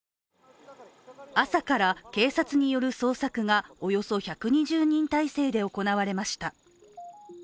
朝から警察による捜索がおよそ１２０人態勢で行われました。